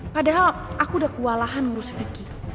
padahal aku udah kewalahan ngurus vicky